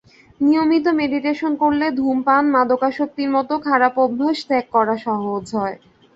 নিয়মিত মেডিটেশন করলে ধূমপান, মাদকাসক্তির মতো খারাপ অভ্যাস ত্যাগ করা সহজ হয়।